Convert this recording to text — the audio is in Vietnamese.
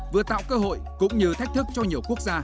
vừa tạo cơ hội cũng như thách thức cho nhiều quốc gia